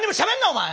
お前！